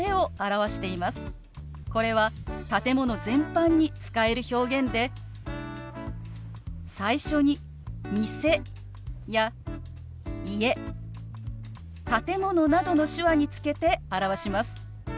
これは建物全般に使える表現で最初に「店」や「家」「建物」などの手話につけて表します。